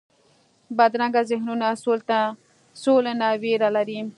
بدرنګه ذهنونونه سولې نه ویره لري